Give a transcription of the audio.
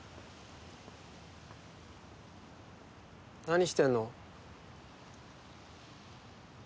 何してんの？